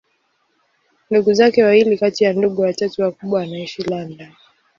Ndugu zake wawili kati ya ndugu watatu wakubwa wanaishi London.